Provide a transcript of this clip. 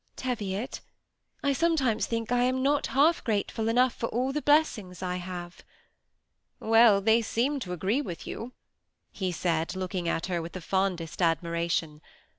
Teviot, I sometimes think I am not half grateful enough for all the blessings I have." " Well, they seem to agree with you," he said, looking at her with the fondest admiration.